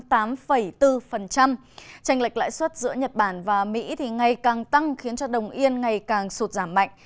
tranh lệch lãi suất giữa nhật bản và mỹ thì ngày càng tăng khiến cho đồng yên ngày càng sụt giảm mạnh